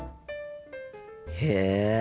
へえ。